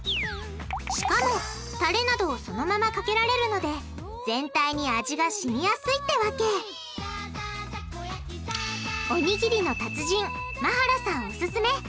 しかもタレなどをそのままかけられるので全体に味が染みやすいってわけおにぎりの達人馬原さんオススメ！